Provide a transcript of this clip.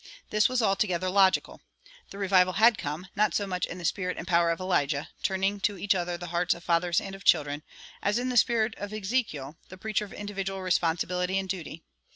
This was altogether logical. The revival had come, not so much in the spirit and power of Elijah, turning to each other the hearts of fathers and of children, as in the spirit of Ezekiel, the preacher of individual responsibility and duty.